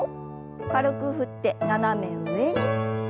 軽く振って斜め上に。